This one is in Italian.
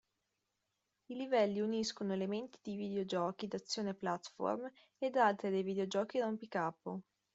I livelli uniscono elementi dei videogiochi d'azione platform ad altri dei videogiochi rompicapo.